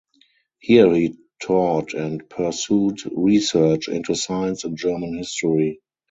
Here he taught and pursued research into Science and German History.